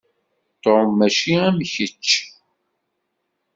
Tom mačči am kečč.